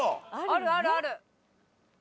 あるあるある。